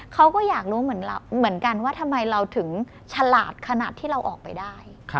เขาก็อยากรู้เหมือนกันว่าทำไมเราถึงฉลาดขนาดที่เราออกไปได้